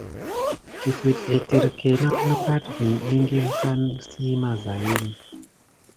Dəfət etirke naw wanebate eŋgil kana sey mazayin.